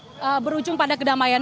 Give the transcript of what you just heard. selanjutnya ini berujung pada kedamaian